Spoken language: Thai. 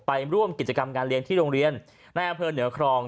ไปร่วมกิจกรรมงานเลี้ยงที่โรงเรียนในอำเภอเหนือครอง